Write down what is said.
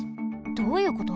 どういうこと？